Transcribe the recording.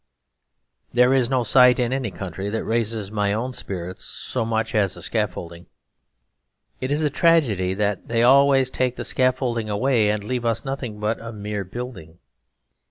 There is no sight in any country that raises my own spirits so much as a scaffolding. It is a tragedy that they always take the scaffolding away, and leave us nothing but a mere building.